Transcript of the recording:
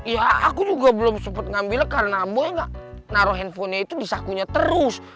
ya aku juga belum sempet ngambil karena boy gak naro handphonenya itu di sakunya terus